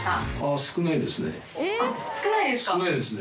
少ないですね。